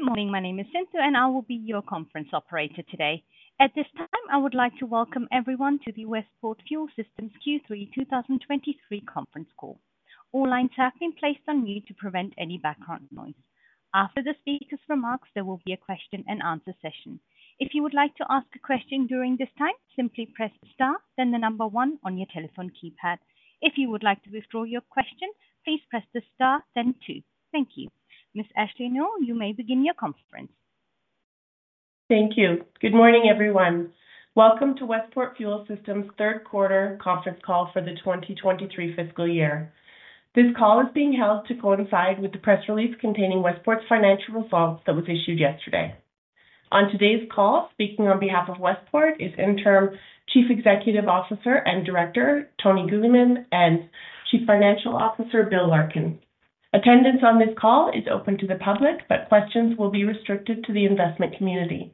Good morning. My name is Cynthia, and I will be your conference operator today. At this time, I would like to welcome everyone to the Westport Fuel Systems Q3 2023 conference call. All lines have been placed on mute to prevent any background noise. After the speaker's remarks, there will be a question-and-answer session. If you would like to ask a question during this time, simply press star, then the number one on your telephone keypad. If you would like to withdraw your question, please press the star, then two. Thank you. Miss Ashley Nuell, you may begin your conference. Thank you. Good morning, everyone. Welcome to Westport Fuel Systems third quarter conference call for the 2023 fiscal year. This call is being held to coincide with the press release containing Westport's financial results that was issued yesterday. On today's call, speaking on behalf of Westport, is Interim Chief Executive Officer and Director, Tony Guglielmin, and Chief Financial Officer, Bill Larkin. Attendance on this call is open to the public, but questions will be restricted to the investment community.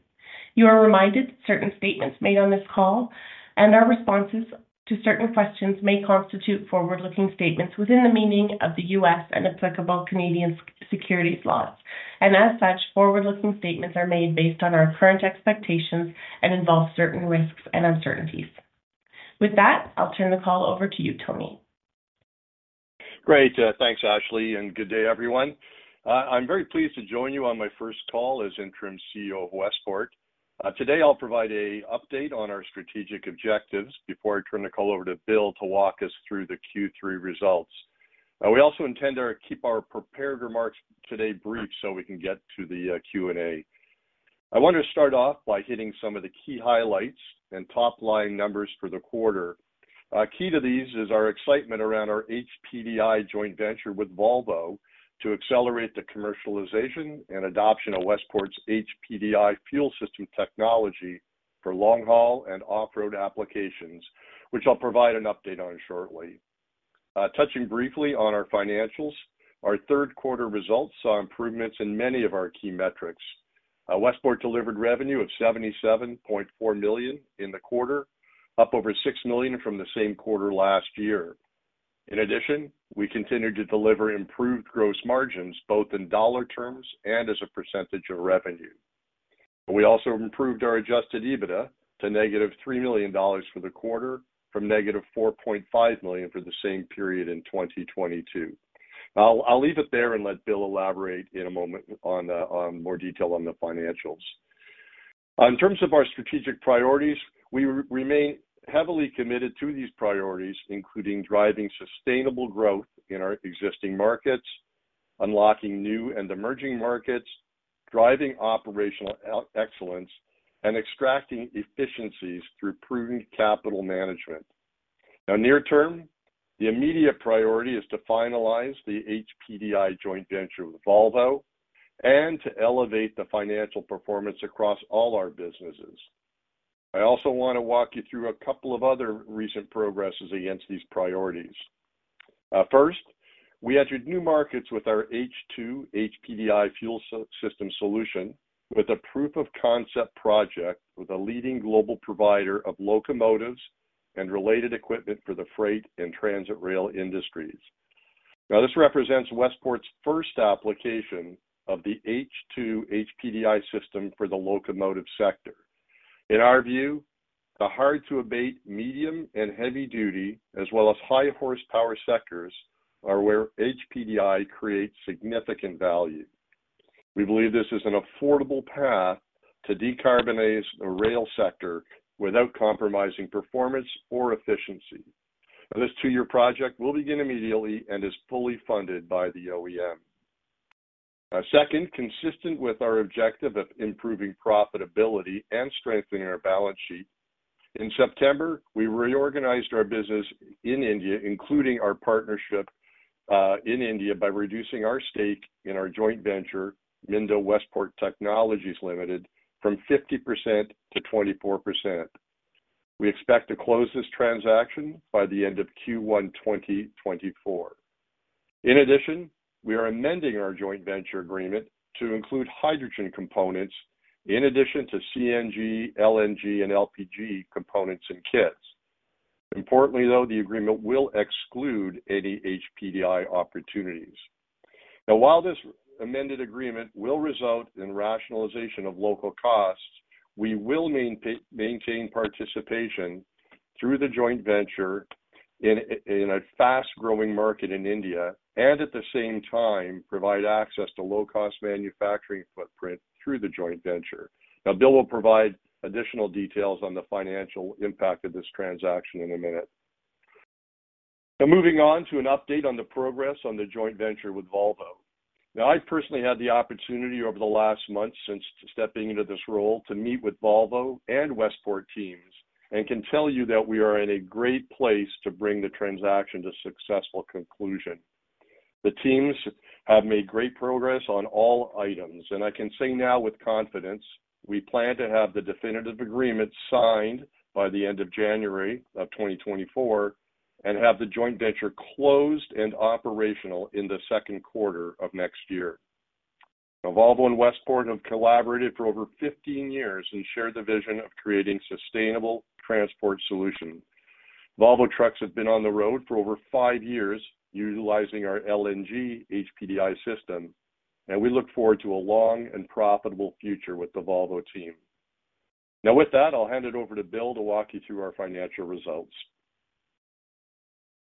You are reminded certain statements made on this call, and our responses to certain questions may constitute forward-looking statements within the meaning of the U.S. and applicable Canadian securities laws. As such, forward-looking statements are made based on our current expectations and involve certain risks and uncertainties. With that, I'll turn the call over to you, Tony. Great. Thanks, Ashley, and good day everyone. I'm very pleased to join you on my first call as interim CEO of Westport. Today I'll provide a update on our strategic objectives before I turn the call over to Bill to walk us through the Q3 results. We also intend to keep our prepared remarks today brief so we can get to the Q&A. I want to start off by hitting some of the key highlights and top-line numbers for the quarter. Key to these is our excitement around our HPDI joint venture with Volvo to accelerate the commercialization and adoption of Westport's HPDI fuel system technology for long-haul and off-road applications, which I'll provide an update on shortly. Touching briefly on our financials, our third quarter results saw improvements in many of our key metrics. Westport delivered revenue of 77.4 million in the quarter, up over 6 million from the same quarter last year. In addition, we continued to deliver improved gross margins, both in dollar terms and as a percentage of revenue. We also improved our Adjusted EBITDA to negative $3 million for the quarter, from negative 4.5 million for the same period in 2022. I'll leave it there and let Bill elaborate in a moment on more detail on the financials. In terms of our strategic priorities, we remain heavily committed to these priorities, including driving sustainable growth in our existing markets, unlocking new and emerging markets, driving operational excellence, and extracting efficiencies through proven capital management. Now, near term, the immediate priority is to finalize the HPDI joint venture with Volvo and to elevate the financial performance across all our businesses. I also want to walk you through a couple of other recent progresses against these priorities. First, we entered new markets with our H2 HPDI fuel system solution with a proof of concept project with a leading global provider of locomotives and related equipment for the freight and transit rail industries. Now, this represents Westport's first application of the H2 HPDI system for the locomotive sector. In our view, the hard-to-abate, medium, and heavy-duty, as well as high horsepower sectors, are where HPDI creates significant value. We believe this is an affordable path to decarbonize the rail sector without compromising performance or efficiency. This two-year project will begin immediately and is fully funded by the OEM. Second, consistent with our objective of improving profitability and strengthening our balance sheet, in September, we reorganized our business in India, including our partnership in India, by reducing our stake in our joint venture, Minda Westport Technologies Limited, from 50% to 24%. We expect to close this transaction by the end of Q1 2024. In addition, we are amending our joint venture agreement to include hydrogen components in addition to CNG, LNG, and LPG components and kits. Importantly, though, the agreement will exclude any HPDI opportunities. Now, while this amended agreement will result in rationalization of local costs, we will maintain participation through the joint venture in a fast-growing market in India, and at the same time, provide access to low-cost manufacturing footprint through the joint venture. Now, Bill will provide additional details on the financial impact of this transaction in a minute. Now, moving on to an update on the progress on the joint venture with Volvo. Now, I personally had the opportunity over the last month since stepping into this role, to meet with Volvo and Westport teams, and can tell you that we are in a great place to bring the transaction to successful conclusion. The teams have made great progress on all items, and I can say now with confidence, we plan to have the definitive agreement signed by the end of January 2024, and have the joint venture closed and operational in the second quarter of next year. Volvo and Westport have collaborated for over 15 years and share the vision of creating sustainable transport solutions. Volvo trucks have been on the road for over 5 years, utilizing our LNG HPDI system, and we look forward to a long and profitable future with the Volvo team. Now, with that, I'll hand it over to Bill to walk you through our financial results.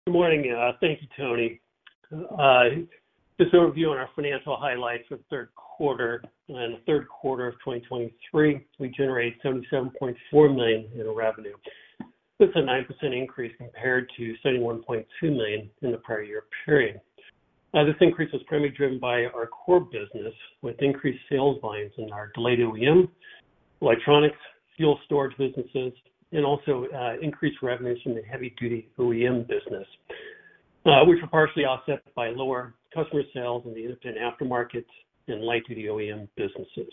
Good morning. Thank you, Tony. Just an overview on our financial highlights for the third quarter. In the third quarter of 2023, we generated $77.4 million in revenue. This is a 9% increase compared to $71.2 million in the prior year period. Now, this increase was primarily driven by our core business, with increased sales volumes in our delayed OEM, electronics, fuel storage businesses, and also increased revenue from the Heavy-Duty OEM business, which were partially offset by lower customer sales in the Independent Aftermarket and Light-Duty OEM businesses.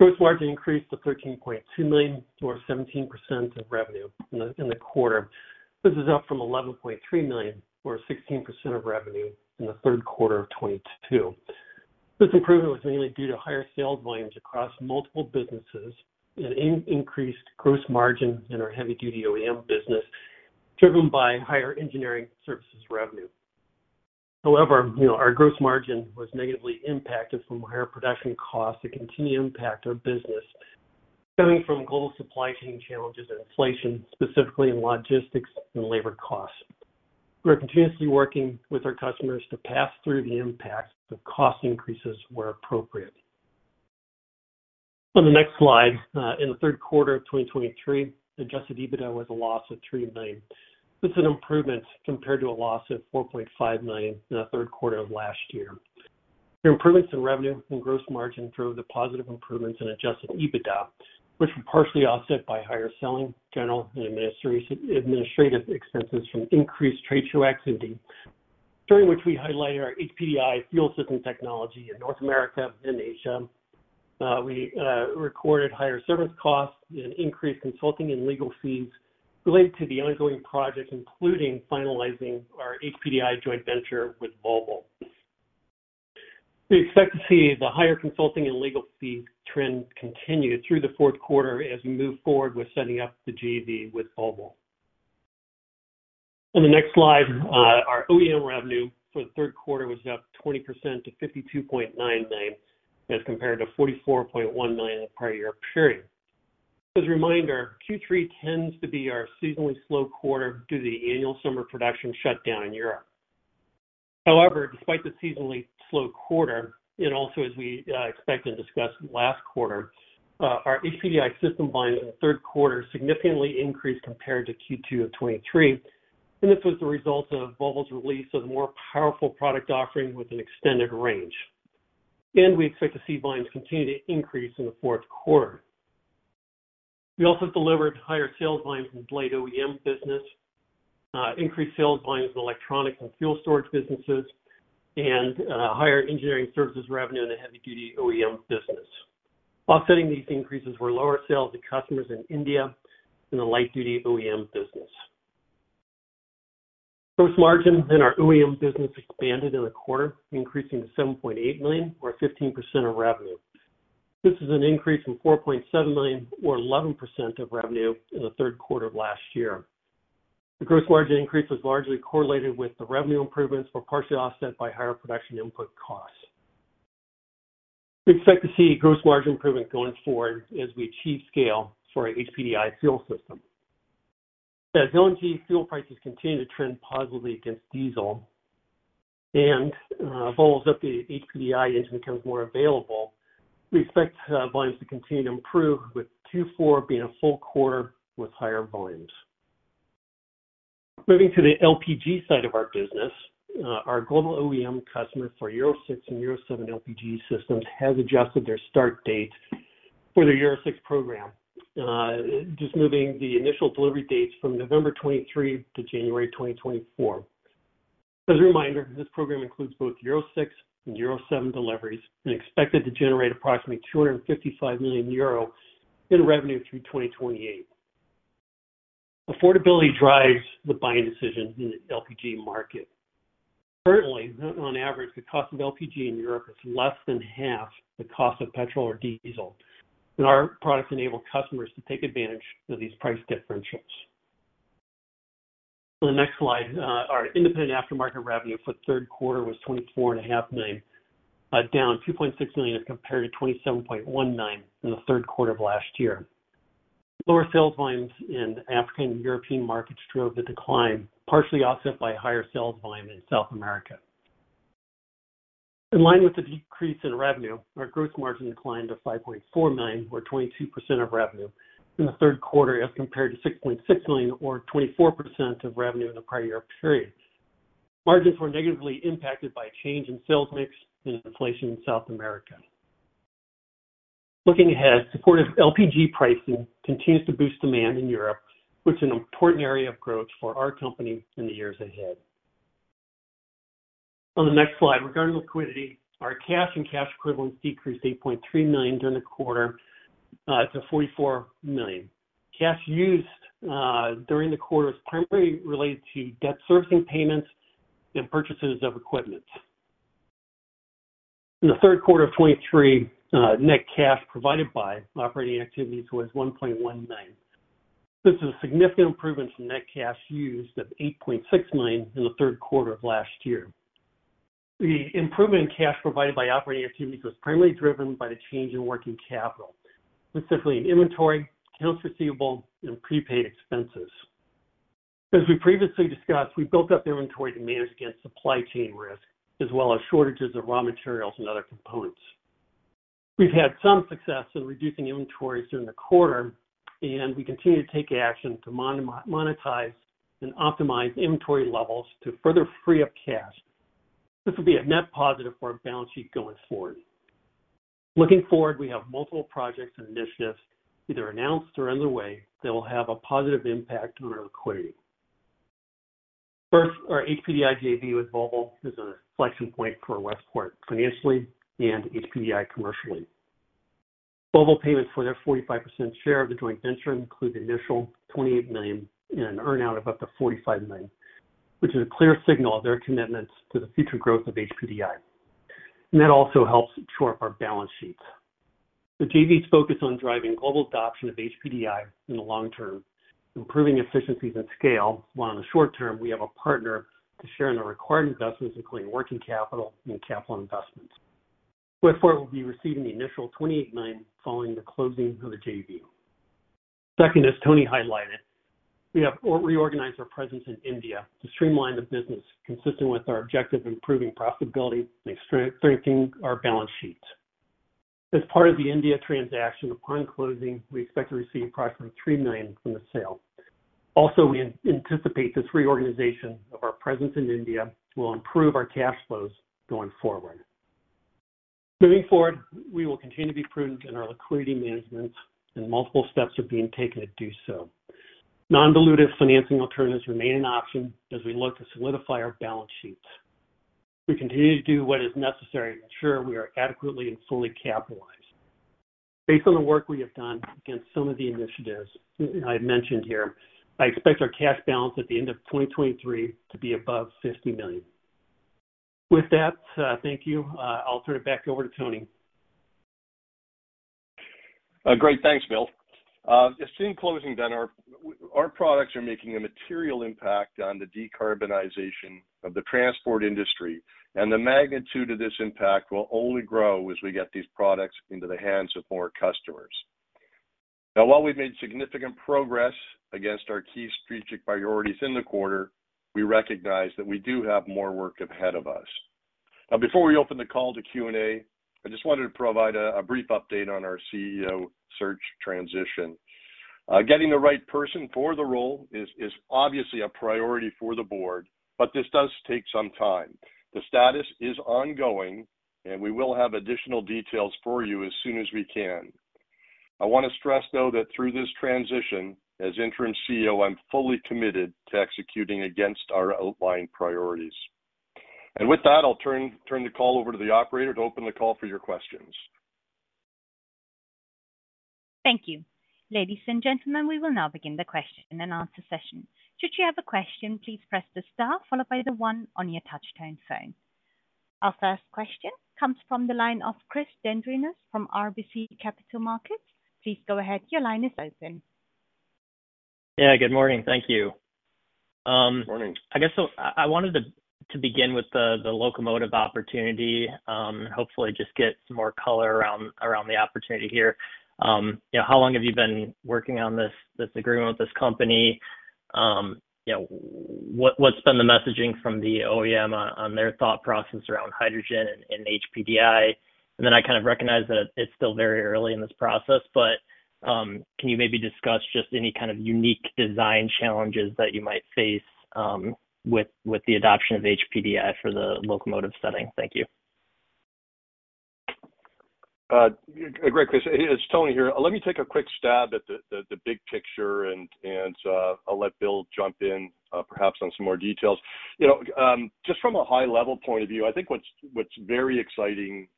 Gross margin increased to $13.2 million, or 17% of revenue in the quarter. This is up from $11.3 million, or 16% of revenue in the third quarter of 2022. This improvement was mainly due to higher sales volumes across multiple businesses and increased gross margin in our Heavy-Duty OEM business, driven by higher engineering services revenue. However, you know, our gross margin was negatively impacted from higher production costs that continue to impact our business, stemming from global supply chain challenges and inflation, specifically in logistics and labor costs. We are continuously working with our customers to pass through the impacts of cost increases where appropriate. On the next slide, in the third quarter of 2023, Adjusted EBITDA was a loss of $3 million. This is an improvement compared to a loss of $4.5 million in the third quarter of last year. The improvements in revenue and gross margin drove the positive improvements in Adjusted EBITDA, which were partially offset by higher selling, general and administrative expenses from increased trade show activity, during which we highlighted our HPDI fuel system technology in North America and Asia. We recorded higher service costs and increased consulting and legal fees related to the ongoing project, including finalizing our HPDI joint venture with Volvo. We expect to see the higher consulting and legal fee trend continue through the fourth quarter as we move forward with sett ing up the JV with Volvo. On the next slide, our OEM revenue for the third quarter was up 20% to $52.9 million, as compared to $44.1 million in the prior year period. As a reminder, Q3 tends to be our seasonally slow quarter due to the annual summer production shutdown in Europe. However, despite the seasonally slow quarter, and also as we expected and discussed last quarter, our HPDI system volume in the third quarter significantly increased compared to Q2 of 2023, and this was the result of Volvo's release of a more powerful product offering with an extended range. We expect to see volumes continue to increase in the fourth quarter. We also delivered higher sales volumes in delayed OEM business, increased sales volumes in electronic and fuel storage businesses, and higher engineering services revenue in the Heavy-Duty OEM business. Offsetting these increases were lower sales to customers in India and theLight-Duty OEM business. Gross margin in our OEM business expanded in the quarter, increasing to $7.8 million, or 15% of revenue. This is an increase from $4.7 million or 11% of revenue in the third quarter of last year. The gross margin increase was largely correlated with the revenue improvements, but partially offset by higher production input costs. We expect to see gross margin improvement going forward as we achieve scale for our HPDI fuel system. As LNG fuel prices continue to trend positively against diesel and Volvo's updated HPDI engine becomes more available, we expect volumes to continue to improve, with 2024 being a full quarter with higher volumes. Moving to the LPG side of our business, our global OEM customer for Euro 6 and Euro 7 LPG systems has adjusted their start date for the Euro 6 program, just moving the initial delivery dates from November 2023 to January 2024. As a reminder, this program includes both Euro 6 and Euro 7 deliveries, and expected to generate approximately 255 million euro in revenue through 2028. Affordability drives the buying decisions in the LPG market. Currently, on average, the cost of LPG in Europe is less than half the cost of petrol or diesel, and our products enable customers to take advantage of these price differentials. On the next slide, our Independent Aftermarket revenue for the third quarter was $24.5 million, down $2.6 million as compared to $27.1 million in the third quarter of last year. Lower sales volumes in African and European markets drove the decline, partially offset by higher sales volume in South America. In line with the decrease in revenue, our gross margin declined to $5.4 million, or 22% of revenue in the third quarter, as compared to $6.6 million, or 24% of revenue in the prior year period. Margins were negatively impacted by a change in sales mix and inflation in South America. Looking ahead, supportive LPG pricing continues to boost demand in Europe, which is an important area of growth for our company in the years ahead. On the next slide, regarding liquidity, our cash and cash equivalents decreased to $8.3 million during the quarter to $44 million. Cash used during the quarter is primarily related to debt servicing payments and purchases of equipment. In the third quarter of 2023, net cash provided by operating activities was $1.19 million. This is a significant improvement from net cash used of $8.69 million in the third quarter of last year. The improvement in cash provided by operating activities was primarily driven by the change in working capital, specifically in inventory, accounts receivable, and prepaid expenses. As we previously discussed, we built up inventory to manage against supply chain risk, as well as shortages of raw materials and other components. We've had some success in reducing inventory during the quarter, and we continue to take action to monetize and optimize inventory levels to further free up cash. This will be a net positive for our balance sheet going forward. Looking forward, we have multiple projects and initiatives either announced or underway that will have a positive impact on our liquidity. First, our HPDI JV with Volvo is an inflection point for Westport financially and HPDI commercially. Global payments for their 45% share of the joint venture include the initial 28 million and an earn-out of up to 45 million, which is a clear signal of their commitment to the future growth of HPDI, and that also helps shore up our balance sheets. The JV is focused on driving global adoption of HPDI in the long term, improving efficiencies and scale, while in the short term, we have a partner to share in the required investments, including working capital and capital investments. Westport will be receiving the initial 28 million following the closing of the JV. Second, as Tony highlighted, we have reorganized our presence in India to streamline the business, consistent with our objective, improving profitability and strengthening our balance sheets. As part of the India transaction, upon closing, we expect to receive approximately 3 million from the sale. Also, we anticipate this reorganization of our presence in India will improve our cash flows going forward. Moving forward, we will continue to be prudent in our liquidity management, and multiple steps are being taken to do so. Non-dilutive financing alternatives remain an option as we look to solidify our balance sheets. We continue to do what is necessary to ensure we are adequately and fully capitalized. Based on the work we have done against some of the initiatives I mentioned here, I expect our cash balance at the end of 2023 to be above $50 million. With that, thank you. I'll turn it back over to Tony. Great. Thanks, Bill. Just in closing then, our products are making a material impact on the decarbonization of the transport industry, and the magnitude of this impact will only grow as we get these products into the hands of more customers. Now, while we've made significant progress against our key strategic priorities in the quarter, we recognize that we do have more work ahead of us. Now, before we open the call to Q&A, I just wanted to provide a brief update on our CEO search transition. Getting the right person for the role is obviously a priority for the board, but this does take some time. The status is ongoing, and we will have additional details for you as soon as we can. I want to stress, though, that through this transition, as Interim CEO, I'm fully committed to executing against our outlined priorities. With that, I'll turn the call over to the operator to open the call for your questions. Thank you. Ladies and gentlemen, we will now begin the question and answer session. Should you have a question, please press the star followed by the one on your touchtone phone. Our first question comes from the line of Chris Dendrinos from RBC Capital Markets. Please go ahead. Your line is open. Yeah, good morning. Thank you. Good morning. I guess so. I wanted to begin with the locomotive opportunity, hopefully just get some more color around the opportunity here. You know, how long have you been working on this agreement with this company? You know, what's been the messaging from the OEM on their thought process around hydrogen and HPDI? And then I kind of recognize that it's still very early in this process, but can you maybe discuss just any kind of unique design challenges that you might face with the adoption of HPDI for the locomotive setting? Thank you. Great, Chris. It's Tony here. Let me take a quick stab at the big picture, and I'll let Bill jump in, perhaps on some more details. You know, just from a high-level point of view, I think what's very exciting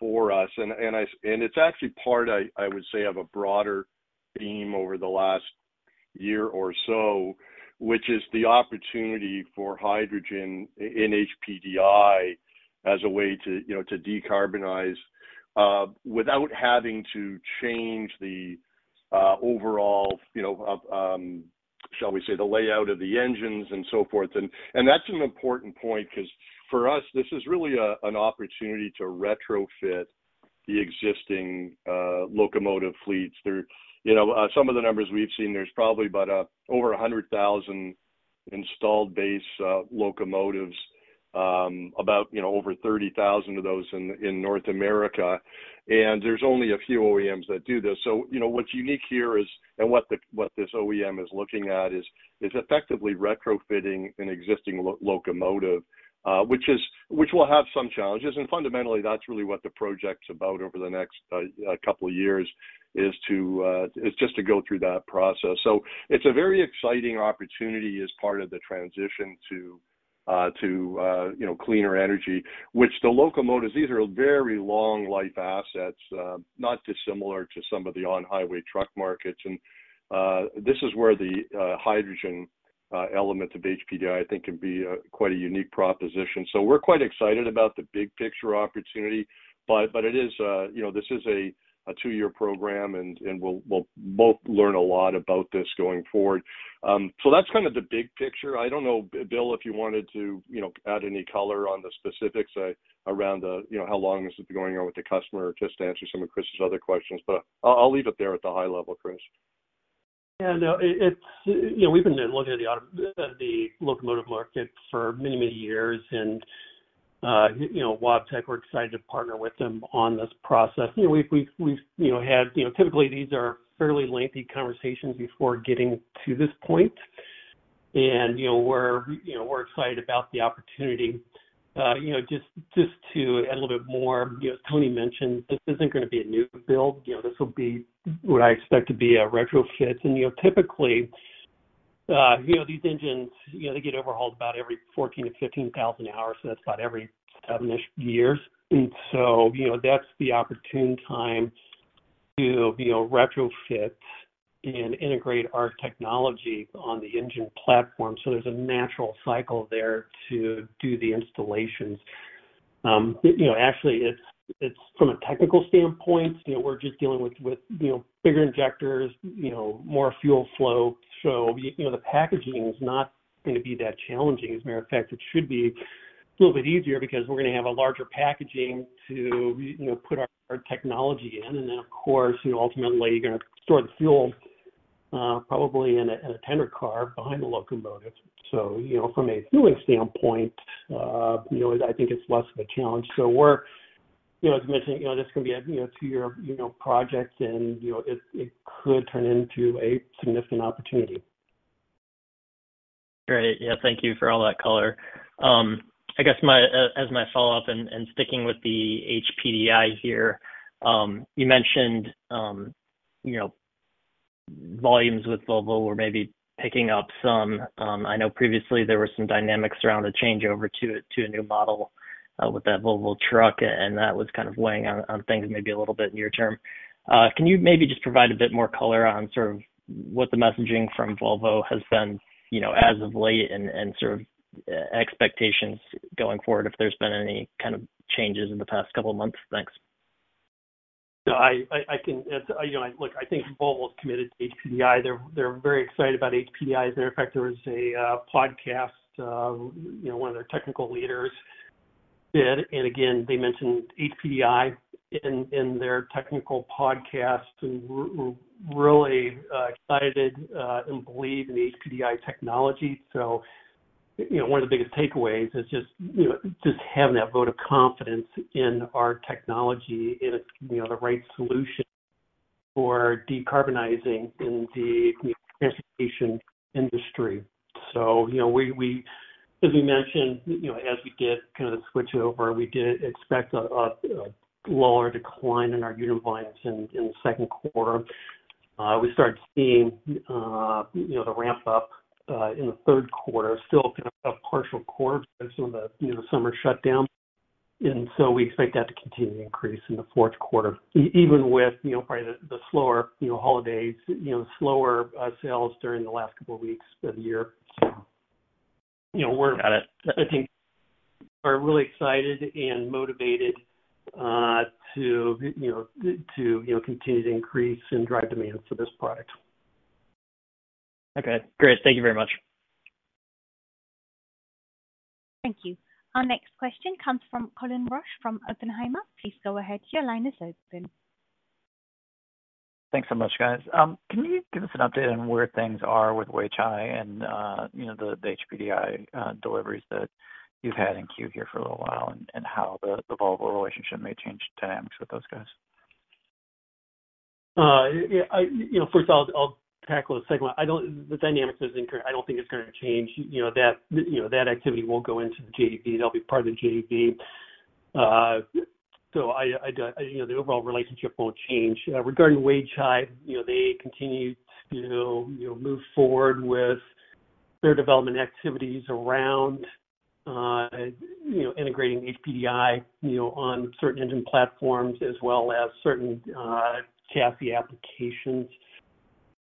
for us, and it's actually part, I would say, of a broader theme over the last year or so, which is the opportunity for hydrogen in HPDI as a way to, you know, to decarbonize, without having to change the overall, you know, shall we say, the layout of the engines and so forth. That's an important point because for us, this is really an opportunity to retrofit the existing locomotive fleets. You know, some of the numbers we've seen, there's probably about over 100,000 installed base locomotives, about, you know, over 30,000 of those in North America, and there's only a few OEMs that do this. So, you know, what's unique here is what this OEM is looking at is effectively retrofitting an existing locomotive, which will have some challenges. And fundamentally, that's really what the project's about over the next couple of years, is just to go through that process. So it's a very exciting opportunity as part of the transition to you know cleaner energy, which the locomotives, these are very long life assets, not dissimilar to some of the on-highway truck markets. And this is where the hydrogen... Element of HPDI, I think, can be quite a unique proposition. So we're quite excited about the big picture opportunity, but, but it is, you know, this is a, a two-year program, and, and we'll, we'll both learn a lot about this going forward. So that's kind of the big picture. I don't know, Bill, if you wanted to, you know, add any color on the specifics, around the, you know, how long this is going on with the customer, just to answer some of Chris's other questions. But I'll, I'll leave it there at the high level, Chris. Yeah, no, it's, you know, we've been looking at the auto-- the locomotive market for many, many years, and, you know, Wabtec, we're excited to partner with them on this process. You know, we've had, you know, typically these are fairly lengthy conversations before getting to this point. And, you know, we're excited about the opportunity. You know, just to add a little bit more, you know, Tony mentioned this isn't gonna be a new build. You know, this will be what I expect to be a retrofit. And, you know, typically, you know, these engines, you know, they get overhauled about every 14,000-15,000 hours, so that's about every seven-ish years. And so, you know, that's the opportune time to, you know, retrofit and integrate our technology on the engine platform. So there's a natural cycle there to do the installations. Actually, it's from a technical standpoint, you know, we're just dealing with you know, bigger injectors, you know, more fuel flow. So, you know, the packaging is not going to be that challenging. As a matter of fact, it should be a little bit easier because we're gonna have a larger packaging to, you know, put our technology in. And then, of course, you know, ultimately, you're gonna store the fuel, probably in a tender car behind the locomotive. So, you know, from a fueling standpoint, you know, I think it's less of a challenge. So we're, you know, as mentioned, you know, this is gonna be a, you know, two-year, you know, project, and, you know, it could turn into a significant opportunity. Great. Yeah, thank you for all that color. I guess my, as my follow-up and, and sticking with the HPDI here, you mentioned, you know, volumes with Volvo were maybe picking up some. I know previously there were some dynamics around a changeover to a, to a new model, with that Volvo truck, and that was kind of weighing on, on things maybe a little bit near term. Can you maybe just provide a bit more color on sort of what the messaging from Volvo has been, you know, as of late and, and sort of expectations going forward, if there's been any kind of changes in the past couple of months? Thanks. No, I can, as you know, look, I think Volvo's committed to HPDI. They're very excited about HPDI. As a matter of fact, there was a podcast, you know, one of their technical leaders did, and again, they mentioned HPDI in their technical podcast, and really excited and believe in the HPDI technology. So, you know, one of the biggest takeaways is just, you know, just having that vote of confidence in our technology, and it's, you know, the right solution for decarbonizing in the transportation industry. So, you know, we, as we mentioned, you know, as we did kind of the switch over, we did expect a lower decline in our unit volumes in the second quarter. We started seeing, you know, the ramp up in the third quarter, still kind of a partial quarter because some of the, you know, summer shutdown, and so we expect that to continue to increase in the fourth quarter. Even with, you know, probably the, the slower, you know, holidays, you know, slower sales during the last couple of weeks of the year. So, you know, we're- Got it. I think are really excited and motivated, you know, to continue to increase and drive demand for this product. Okay, great. Thank you very much. Thank you. Our next question comes from Colin Rusch from Oppenheimer. Please go ahead. Your line is open. Thanks so much, guys. Can you give us an update on where things are with Weichai and, you know, the HPDI deliveries that you've had in queue here for a little while, and how the Volvo relationship may change dynamics with those guys? Yeah, you know, first I'll tackle the segment. I don't think it's gonna change. You know, that, you know, that activity won't go into the JDP. They'll be part of the JDP. So I, you know, the overall relationship won't change. Regarding Weichai, you know, they continue to, you know, move forward with their development activities around, you know, integrating HPDI, you know, on certain engine platforms, as well as certain, chassis applications.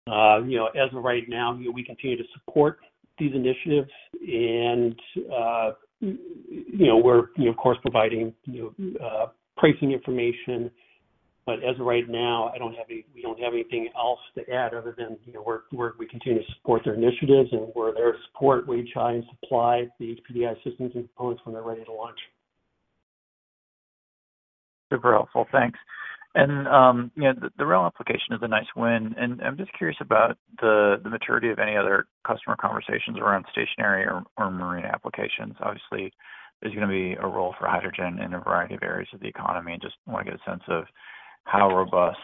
You know, as of right now, you know, we continue to support these initiatives and, you know, we're, you know, of course, providing, you know, pricing information. But as of right now, we don't have anything else to add other than, you know, we continue to support their initiatives and we're there to support Weichai and supply the HPDI systems and components when they're ready to launch. Super helpful. Thanks. And, you know, the rail application is a nice win, and I'm just curious about the maturity of any other customer conversations around stationary or marine applications. Obviously, there's gonna be a role for hydrogen in a variety of areas of the economy, and just want to get a sense of how robust,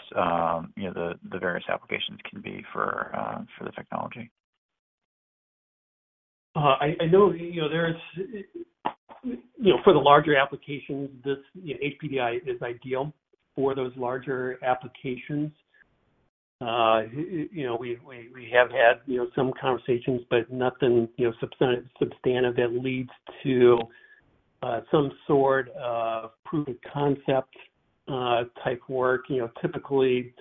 you know, the various applications can be for the technology? I know, you know, there is, you know, for the larger applications, this, you know, HPDI is ideal for those larger applications. You know, we have had, you know, some conversations, but nothing, you know, substantive that leads to some sort of proof of concept, type work, you know, typically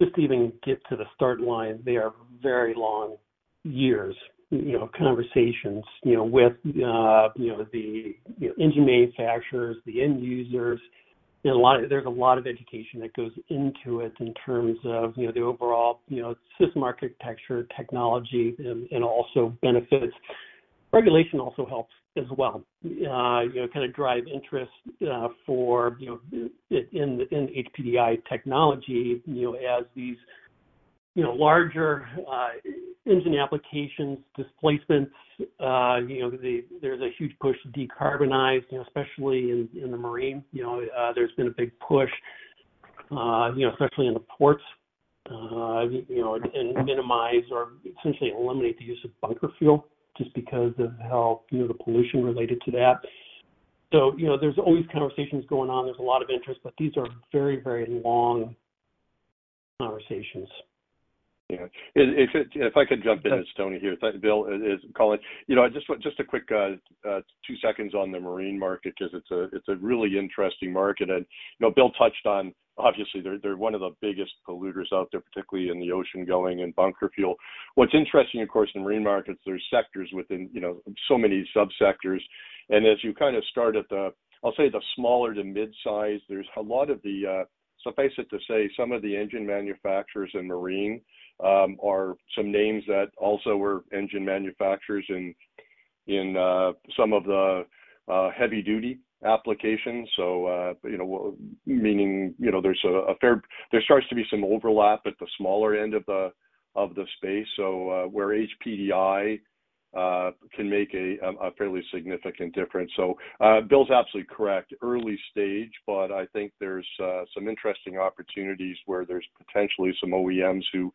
just to even get to the start line, they are very long years. You know, conversations, you know, with, you know, the, you know, engine manufacturers, the end users. There's a lot of education that goes into it in terms of, you know, the overall, you know, system, architecture, technology, and also benefits. Regulation also helps as well, you know, kind of drive interest, for, you know, in, in HPDI technology, you know, as these, you know, larger, engine applications, displacements, you know, there's a huge push to decarbonize, you know, especially in, in the marine. You know, there's been a big push, you know, especially in the ports, you know, and minimize or essentially eliminate the use of bunker fuel just because of how, you know, the pollution related to that. So, you know, there's always conversations going on. There's a lot of interest, but these are very, very long conversations. Yeah. If I could jump in, Tony, here, Bill, Colin, you know, I just want just a quick, two seconds on the marine market because it's a really interesting market. And, you know, Bill touched on obviously they're one of the biggest polluters out there, particularly in the ocean-going and bunker fuel. What's interesting, of course, in marine markets, there's sectors within, you know, so many subsectors. And as you kind of start at the... I'll say the smaller to mid-size, there's a lot of the, suffice it to say, some of the engine manufacturers in marine are some names that also were engine manufacturers in, in some of the heavy duty applications. So, you know, meaning, you know, there's there starts to be some overlap at the smaller end of the space, so, where HPDI can make a fairly significant difference. So, Bill's absolutely correct. Early stage, but I think there's some interesting opportunities where there's potentially some OEMs who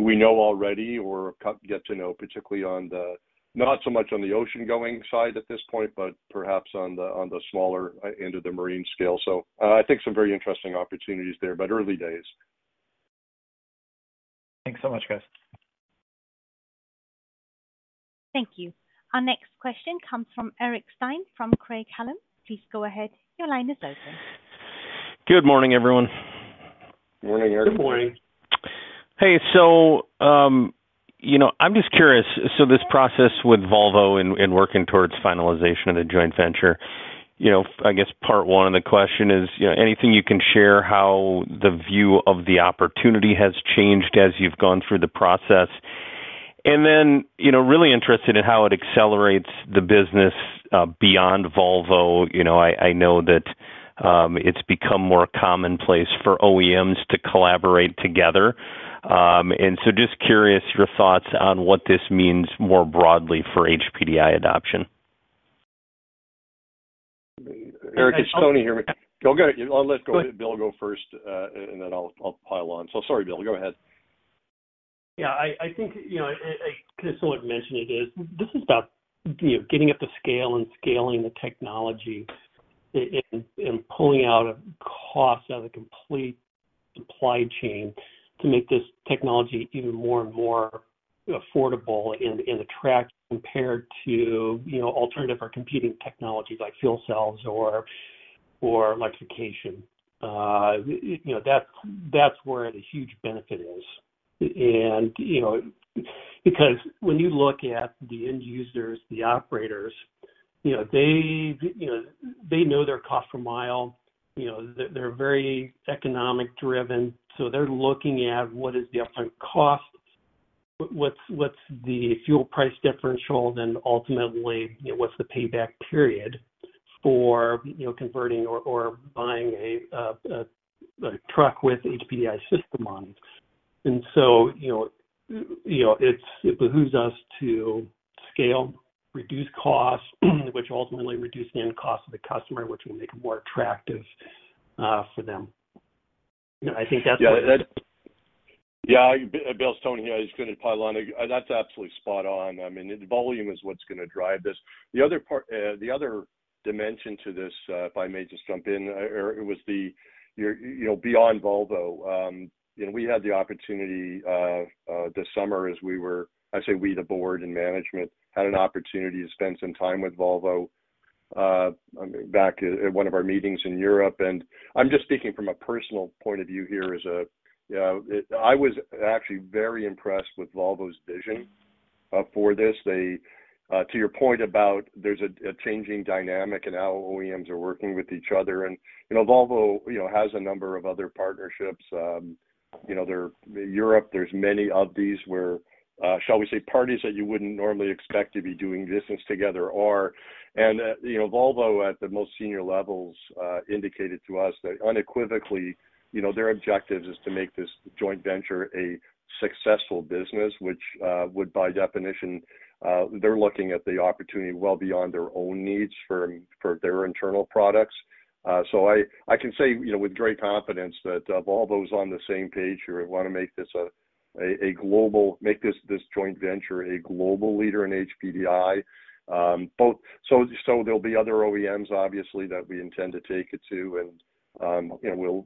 we know already or get to know, particularly on the, not so much on the ocean-going side at this point, but perhaps on the smaller end of the marine scale. So I think some very interesting opportunities there, but early days. Thanks so much, guys. Thank you. Our next question comes from Eric Stine, from Craig-Hallum. Please go ahead. Your line is open. Good morning, everyone. Morning, Eric. Good morning. Hey, so, you know, I'm just curious. So this process with Volvo and, and working towards finalization of the joint venture, you know, I guess part one of the question is, you know, anything you can share how the view of the opportunity has changed as you've gone through the process? And then, you know, really interested in how it accelerates the business beyond Volvo. You know, I, I know that it's become more commonplace for OEMs to collaborate together. And so just curious, your thoughts on what this means more broadly for HPDI adoption. Eric, it's Tony here. Go ahead. I'll let Bill go first, and then I'll pile on. So sorry, Bill, go ahead. Yeah, I think, you know, and kind of somewhat mentioned, this is about, you know, getting up the scale and scaling the technology and pulling out a cost out of the complete supply chain to make this technology even more and more affordable and attractive compared to, you know, alternative or competing technologies like fuel cells or electrification. You know, that's where the huge benefit is. And, you know, because when you look at the end users, the operators, you know, they know their cost per mile, you know, they're very economic driven, so they're looking at what is the upfront cost, what's the fuel price differential, and ultimately, you know, what's the payback period for, you know, converting or buying a truck with HPDI system on it. And so, you know, you know, it behooves us to scale, reduce costs, which ultimately reduce the end cost of the customer, which will make it more attractive, for them. I think that's what- Yeah. Yeah, Bill, Bill, Tony here. I was going to pile on. That's absolutely spot on. I mean, the volume is what's going to drive this. The other part, the other dimension to this, if I may just jump in, you know, beyond Volvo, you know, we had the opportunity this summer as we were, I say we, the board and management, had an opportunity to spend some time with Volvo back at one of our meetings in Europe. And I'm just speaking from a personal point of view here as a... I was actually very impressed with Volvo's vision for this. They, to your point about there's a changing dynamic in how OEMs are working with each other, and, you know, Volvo, you know, has a number of other partnerships. You know, Europe, there's many of these where, shall we say, parties that you wouldn't normally expect to be doing business together are. And, you know, Volvo, at the most senior levels, indicated to us that unequivocally, you know, their objectives is to make this joint venture a successful business, which would, by definition, they're looking at the opportunity well beyond their own needs for their internal products. So I can say, you know, with great confidence that Volvo's on the same page here and want to make this a global leader in HPDI. So there'll be other OEMs, obviously, that we intend to take it to, and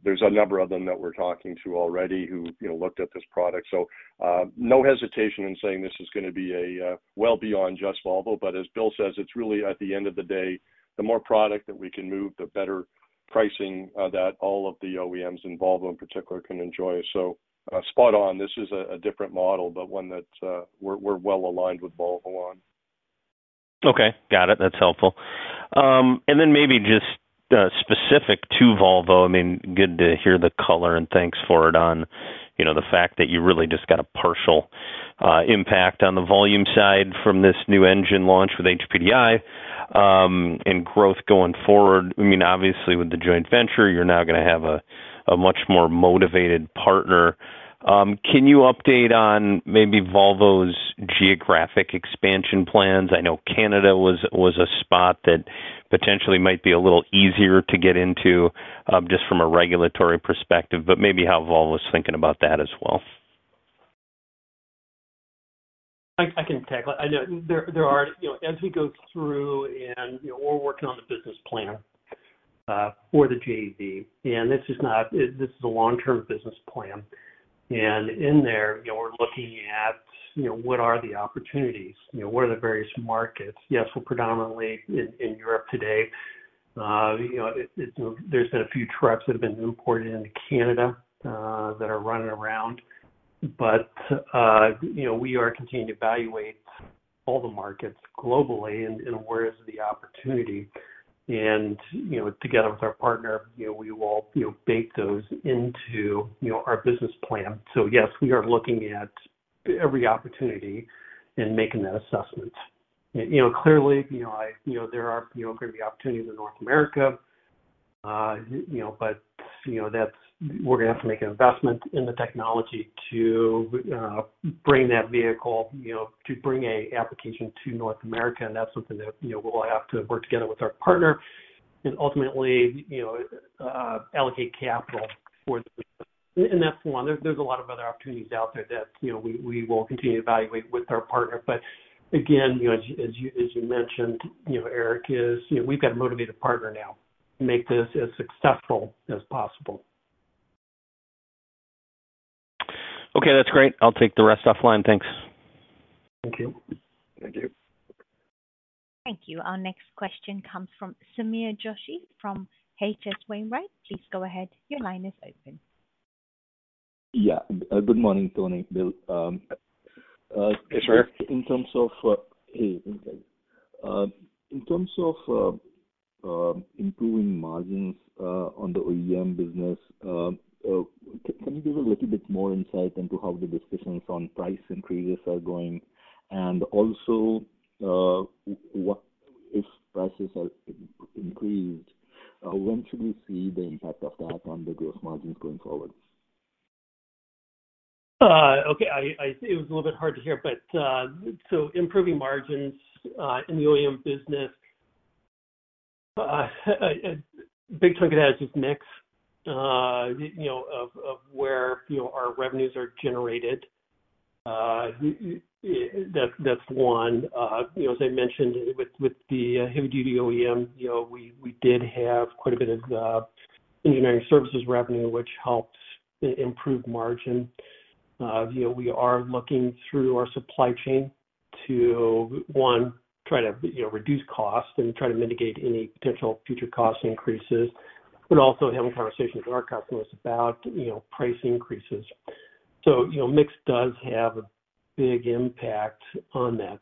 there's a number of them that we're talking to already who, you know, looked at this product. So, no hesitation in saying this is gonna be a, well beyond just Volvo. But as Bill says, it's really at the end of the day, the more product that we can move, the better pricing that all of the OEMs involved, in particular, can enjoy. So, spot on, this is a, a different model, but one that, we're, we're well aligned with Volvo on. Okay, got it. That's helpful. And then maybe just, specific to Volvo, I mean, good to hear the color, and thanks for it on, you know, the fact that you really just got a partial, impact on the volume side from this new engine launch with HPDI, and growth going forward. I mean, obviously with the joint venture, you're now gonna have a, a much more motivated partner. Can you update on maybe Volvo's geographic expansion plans? I know Canada was a spot that potentially might be a little easier to get into, just from a regulatory perspective, but maybe how Volvo is thinking about that as well. I can tackle it. I know there are. You know, as we go through and, you know, we're working on the business plan for the JV, and this is a long-term business plan. And in there, you know, we're looking at, you know, what are the opportunities? You know, what are the various markets? Yes, we're predominantly in Europe today. You know, there's been a few trucks that have been imported into Canada that are running around. But, you know, we are continuing to evaluate all the markets globally and where is the opportunity. And, you know, together with our partner, you know, we will, you know, bake those into, you know, our business plan. So yes, we are looking at every opportunity in making that assessment. You know, clearly, you know, I, you know, there are, you know, going to be opportunities in North America, you know, but, you know, that's—we're gonna have to make an investment in the technology to bring that vehicle, you know, to bring an application to North America, and that's something that, you know, we'll have to work together with our partner and ultimately, you know, allocate capital for the vehicle. And that's one. There's a lot of other opportunities out there that, you know, we will continue to evaluate with our partner. But again, you know, as you mentioned, you know, Eric, you know, we've got a motivated partner now to make this as successful as possible. Okay, that's great. I'll take the rest offline. Thanks. Thank you. Thank you. Thank you. Our next question comes from Sameer Joshi from H.C. Wainwright. Please go ahead. Your line is open. Yeah. Good morning, Tony, Bill. Hey, Sameer. In terms of improving margins on the OEM business, can you give a little bit more insight into how the discussions on price increases are going? And also, what if prices are increased, when should we see the impact of that on the gross margins going forward? It was a little bit hard to hear, but so improving margins in the OEM business, big chunk it has is mix, you know, of where, you know, our revenues are generated. That, that's one. You know, as I mentioned, with the Heavy-Duty OEM, you know, we did have quite a bit of engineering services revenue, which helped improve margin. You know, we are looking through our supply chain to, one, try to, you know, reduce costs and try to mitigate any potential future cost increases, but also having conversations with our customers about, you know, price increases. So, you know, mix does have a big impact on that.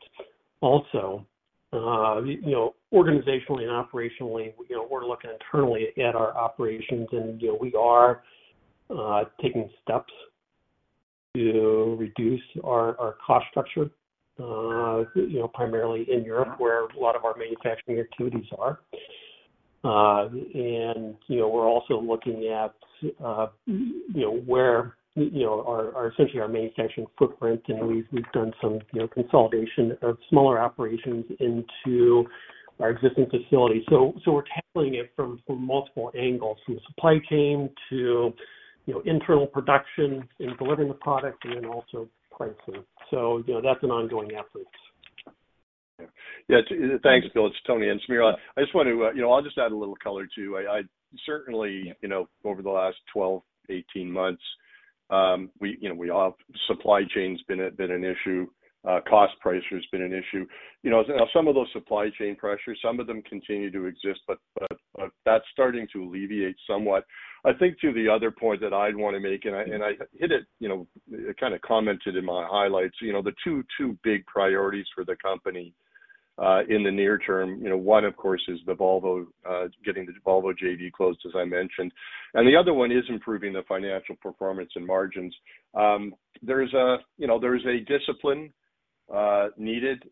Also, you know, organizationally and operationally, you know, we're looking internally at our operations and, you know, we are taking steps to reduce our cost structure, you know, primarily in Europe, where a lot of our manufacturing activities are. And, you know, we're also looking at, you know, where, you know, essentially our manufacturing footprint, and we've done some, you know, consolidation of smaller operations into our existing facilities. So we're tackling it from multiple angles, from supply chain to, you know, internal production in delivering the product and then also pricing. So, you know, that's an ongoing effort. Yeah. Thanks, Bill. It's Tony and Samir. I just want to, you know, I'll just add a little color, too. I certainly, you know, over the last 12-18 months, we, you know, we all, supply chain's been an issue. Cost pricing has been an issue. You know, some of those supply chain pressures, some of them continue to exist, but that's starting to alleviate somewhat. I think to the other point that I'd want to make, and I hit it, you know, kind of commented in my highlights, you know, the two big priorities for the company in the near term, you know, one, of course, is the Volvo getting the Volvo JV closed, as I mentioned, and the other one is improving the financial performance and margins. There's a, you know, there is a discipline needed.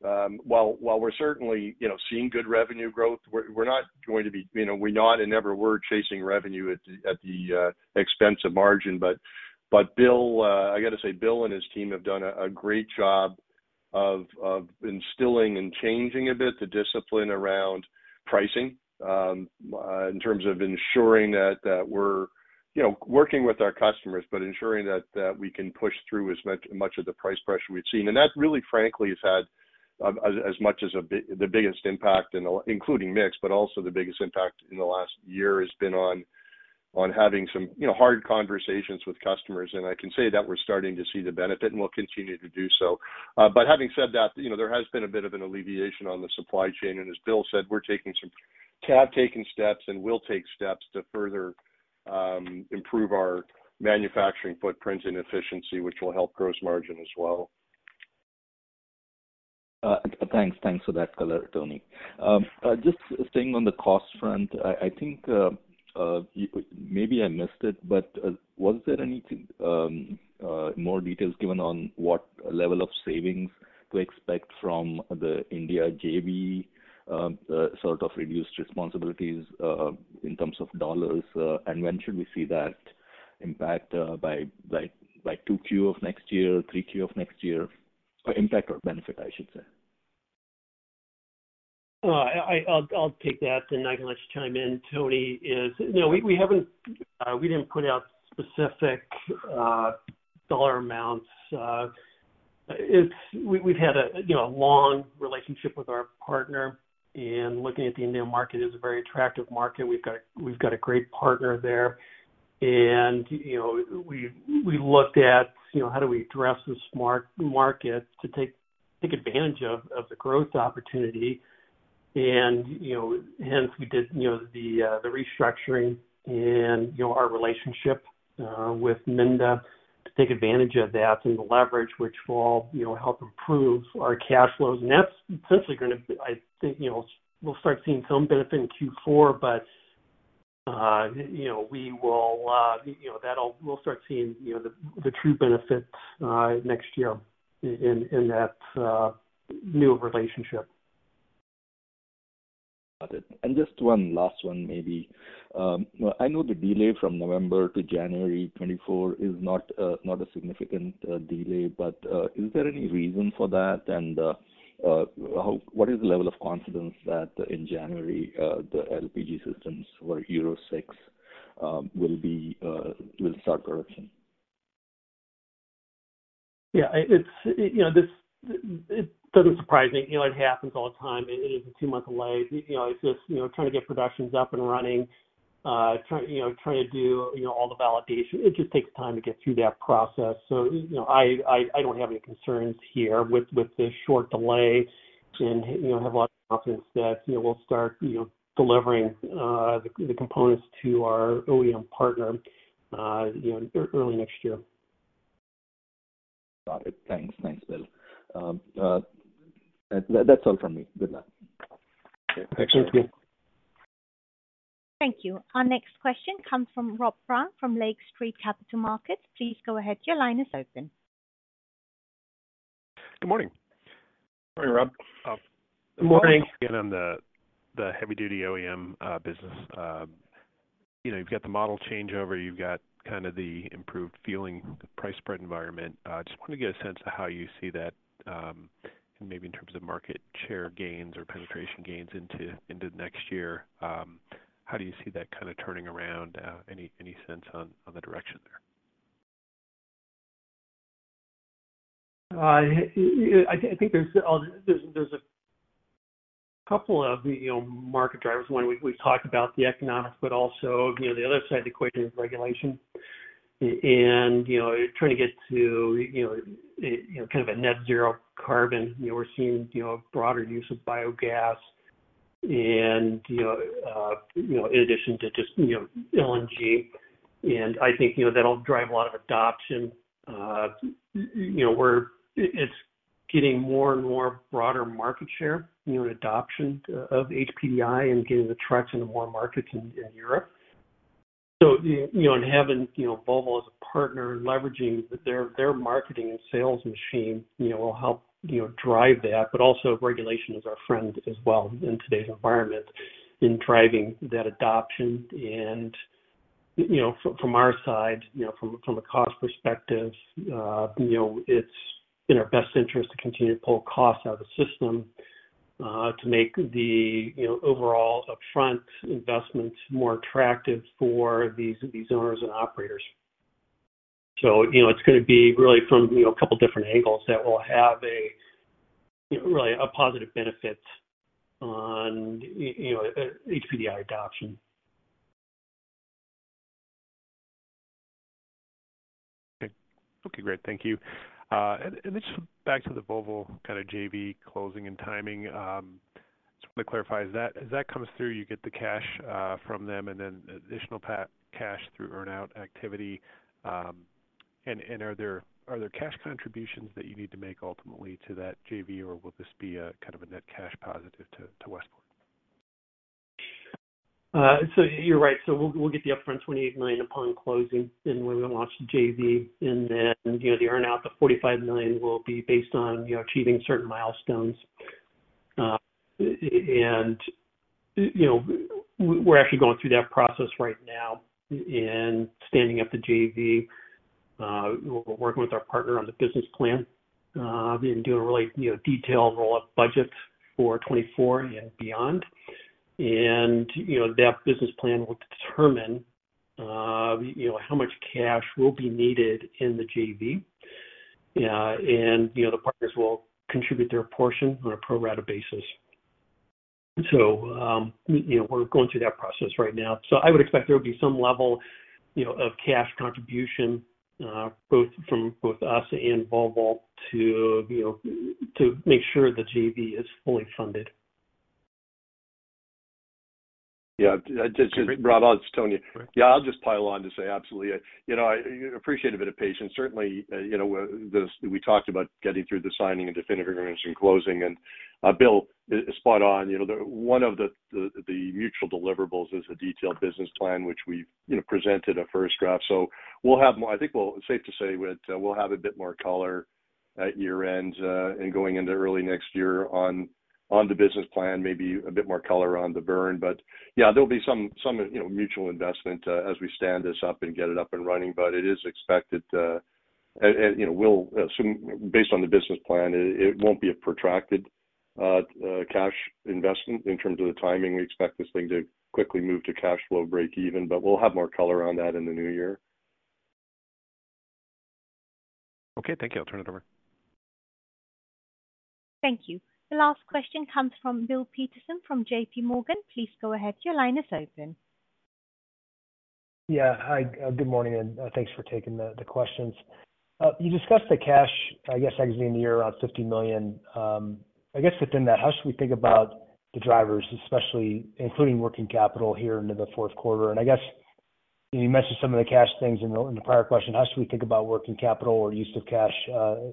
While, while we're certainly, you know, seeing good revenue growth, we're, we're not going to be, you know, we're not and never were chasing revenue at the, at the, expense of margin. But, but Bill, I got to say, Bill and his team have done a, a great job of, of instilling and changing a bit the discipline around pricing, in terms of ensuring that, that we're, you know, working with our customers, but ensuring that, that we can push through as much, much of the price pressure we've seen. And that really, frankly, has had, as, as much as a big, the biggest impact, including mix, but also the biggest impact in the last year has been on having some, you know, hard conversations with customers, and I can say that we're starting to see the benefit, and we'll continue to do so. But having said that, you know, there has been a bit of an alleviation on the supply chain, and as Bill said, we have taken steps and will take steps to further improve our manufacturing footprint and efficiency, which will help gross margin as well. Thanks. Thanks for that color, Tony. Just staying on the cost front, I, I think, maybe I missed it, but, was there anything more details given on what level of savings to expect from the India JV, sort of reduced responsibilities, in terms of dollars? And when should we see that impact, by, like, like 2Q of next year, 3Q of next year? Or impact or benefit, I should say. I'll take that, and I can let you chime in, Tony. You know, we haven't, we didn't put out specific dollar amounts. It's. We've had a, you know, long relationship with our partner, and looking at the Indian market is a very attractive market. We've got a great partner there. And, you know, we looked at, you know, how do we address this market to take advantage of the growth opportunity. And, you know, hence we did, you know, the restructuring and, you know, our relationship with Minda to take advantage of that and the leverage which will, you know, help improve our cash flows. That's essentially gonna be. I think, you know, we'll start seeing some benefit in Q4, but, you know, we will, you know, that'll we'll start seeing, you know, the true benefits next year in that new relationship. Got it. And just one last one, maybe. I know the delay from November to January 2024 is not a significant delay, but is there any reason for that? And what is the level of confidence that in January the LPG systems for Euro 6 will start production? Yeah, it's, you know, this, it doesn't surprise me. You know, it happens all the time. It is a two-month delay. You know, it's just, you know, trying to get productions up and running, trying to do, you know, all the validation. It just takes time to get through that process. So, you know, I don't have any concerns here with this short delay and, you know, have a lot of confidence that, you know, we'll start, you know, delivering the components to our OEM partner, you know, early next year. Got it. Thanks. Thanks, Bill. That's all from me. Good luck. Thanks. Thank you. Thank you. Our next question comes from Rob Brown, from Lake Street Capital Markets. Please go ahead. Your line is open. Good morning. Morning, Rob. Good morning. Again, on the Heavy-Duty OEM business. You know, you've got the model changeover, you've got kind of the improved fueling, the price spread environment. Just want to get a sense of how you see that, maybe in terms of market share gains or penetration gains into next year. How do you see that kind of turning around? Any sense on the direction there? I think there's a couple of, you know, market drivers. One, we've talked about the economics, but also, you know, the other side of the equation is regulation. And, you know, trying to get to, you know, kind of a net zero carbon, you know, we're seeing, you know, broader use of biogas and, you know, in addition to just, you know, LNG. And I think, you know, that'll drive a lot of adoption. You know, it's getting more and more broader market share, you know, adoption of HPDI and gaining the traction in more markets in Europe. So, you know, and having, you know, Volvo as a partner and leveraging their, their marketing and sales machine, you know, will help, you know, drive that, but also regulation is our friend as well in today's environment, in driving that adoption. And, you know, from, from our side, you know, from, from a cost perspective, you know, it's in our best interest to continue to pull costs out of the system, to make the, you know, overall upfront investment more attractive for these, these owners and operators. So, you know, it's gonna be really from, you know, a couple different angles that will have a, you know, really a positive benefit on, you know, HPDI adoption. Okay, great. Thank you. Just back to the Volvo kind of JV closing and timing, just want to clarify, as that, as that comes through, you get the cash from them and then additional pa-- cash through earn-out activity. And are there cash contributions that you need to make ultimately to that JV, or will this be a kind of a net cash positive to Westport? So you're right. So we'll, we'll get the upfront 28 million upon closing, and we're gonna launch the JV. And then, you know, the earn-out, the 45 million, will be based on, you know, achieving certain milestones. And, you know, we're actually going through that process right now and standing up the JV. We're working with our partner on the business plan, and doing a really, you know, detailed roll-up budget for 2024 and beyond. And, you know, that business plan will determine, you know, how much cash will be needed in the JV. And, you know, the partners will contribute their portion on a pro rata basis. So, you know, we're going through that process right now. I would expect there would be some level, you know, of cash contribution, both from both us and Volvo to, you know, to make sure the JV is fully funded. Yeah, just Rob, it's Tony. Yeah, I'll just pile on to say absolutely. You know, I appreciate a bit of patience. Certainly, you know, we talked about getting through the signing of definitive agreements and closing, and Bill is spot on. You know, one of the mutual deliverables is a detailed business plan, which we've, you know, presented a first draft. So we'll have more. I think, well, it's safe to say we, we'll have a bit more color at year-end, and going into early next year on the business plan, maybe a bit more color on the burn. Yeah, there'll be some, you know, mutual investment as we stand this up and get it up and running, but it is expected to, and you know, we'll soon, based on the business plan, it won't be a protracted cash investment in terms of the timing. We expect this thing to quickly move to cash flow breakeven, but we'll have more color on that in the new year. Okay, thank you. I'll turn it over. Thank you. The last question comes from Bill Peterson from JPMorgan. Please go ahead. Your line is open. Yeah. Hi, good morning, and, thanks for taking the, the questions. You discussed the cash, I guess, exiting the year around $50 million. I guess within that, how should we think about the drivers, especially including working capital here into the fourth quarter? And I guess, you mentioned some of the cash things in the, in the prior question, how should we think about working capital or use of cash,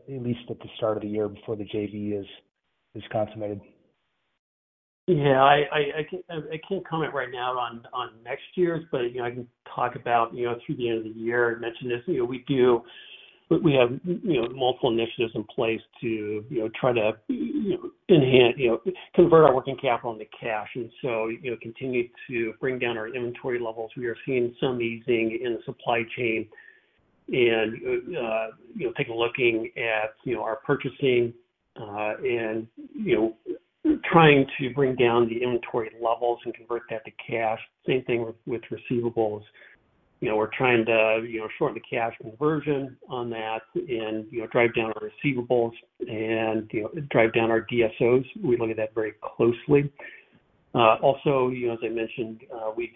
at least at the start of the year before the JV is consummated? Yeah, I can't comment right now on next year's, but you know, I can talk about, you know, through the end of the year, I mentioned this. You know, we do—we have, you know, multiple initiatives in place to, you know, try to, you know, enhance, you know, convert our working capital into cash. And so, you know, continue to bring down our inventory levels. We are seeing some easing in the supply chain and, you know, taking a look at, you know, our purchasing, and, you know, trying to bring down the inventory levels and convert that to cash. Same thing with receivables. You know, we're trying to, you know, shorten the cash conversion on that and, you know, drive down our receivables and, you know, drive down our DSOs. We look at that very closely. Also, you know, as I mentioned, we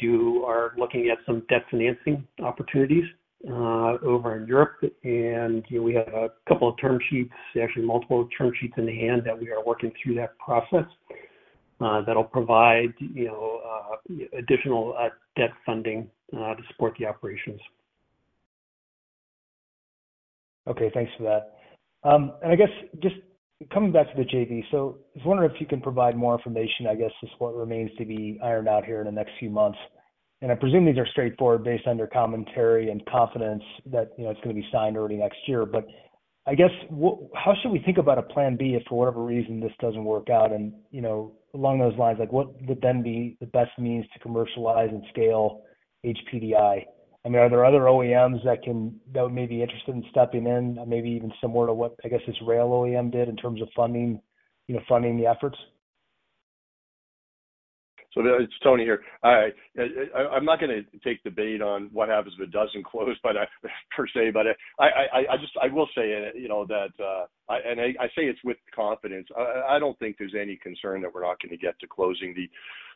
are looking at some debt financing opportunities over in Europe. You know, we have a couple of term sheets, actually multiple term sheets in hand that we are working through that process, that'll provide, you know, additional debt funding to support the operations. Okay, thanks for that. And I guess just coming back to the JV. So I was wondering if you can provide more information, I guess, as what remains to be ironed out here in the next few months. And I presume these are straightforward based on your commentary and confidence that, you know, it's gonna be signed early next year. But I guess, how should we think about a plan B if for whatever reason, this doesn't work out? And, you know, along those lines, like, what would then be the best means to commercialize and scale HPDI? I mean, are there other OEMs that may be interested in stepping in, maybe even similar to what, I guess, this rail OEM did in terms of funding, you know, funding the efforts? So it's Tony here. All right. I'm not gonna take debate on what happens if it doesn't close, but per se, just I will say, you know, that, I. And I say it's with confidence. I don't think there's any concern that we're not gonna get to closing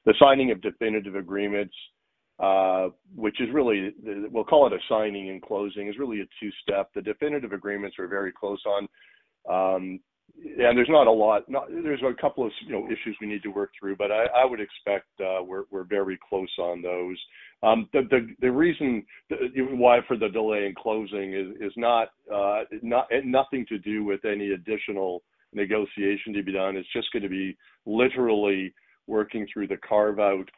the signing of definitive agreements, which is really the we'll call it a signing and closing, is really a two-step. The definitive agreements we're very close on. And there's not a lot, not. There's a couple of, you know, issues we need to work through, but I would expect, we're very close on those. The reason why for the delay in closing is not nothing to do with any additional negotiation to be done. It's just gonna be literally working through the carve-out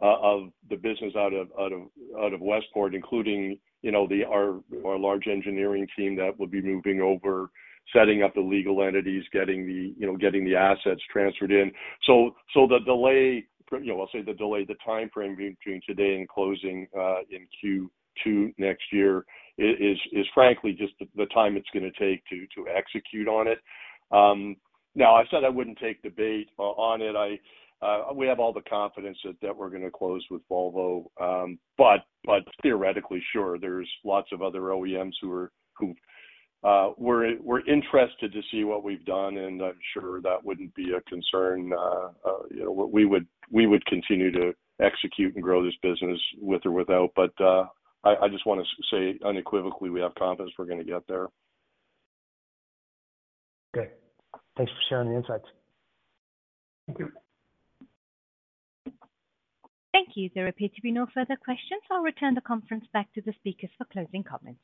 of the business out of Westport, including, you know, our large engineering team that would be moving over, setting up the legal entities, getting the, you know, assets transferred in. So the delay, you know, I'll say the delay, the timeframe between today and closing in Q2 next year is frankly just the time it's gonna take to execute on it. Now, I said I wouldn't take debate on it. We have all the confidence that we're gonna close with Volvo. But theoretically, sure, there's lots of other OEMs who are who were interested to see what we've done, and I'm sure that wouldn't be a concern. You know, we would continue to execute and grow this business with or without. But, I just wanna say unequivocally, we have confidence we're gonna get there. Okay. Thanks for sharing the insights. Thank you. Thank you. There appear to be no further questions. I'll return the conference back to the speakers for closing comments.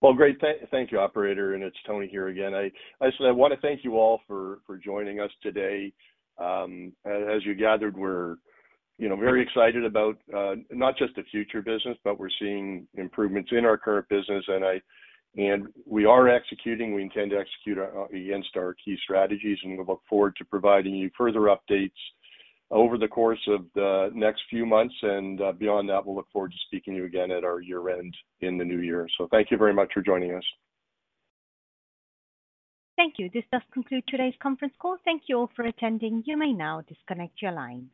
Well, great. Thank you, operator, and it's Tony here again. I just wanna thank you all for joining us today. As you gathered, we're, you know, very excited about not just the future business, but we're seeing improvements in our current business. And we are executing, we intend to execute against our key strategies, and we look forward to providing you further updates over the course of the next few months. And beyond that, we'll look forward to speaking to you again at our year-end in the new year. So thank you very much for joining us. Thank you. This does conclude today's conference call. Thank you all for attending. You may now disconnect your line.